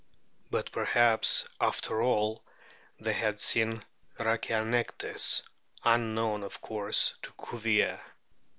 But perhaps after all they had seen Rhachianectes, unknown of course to Cuvier.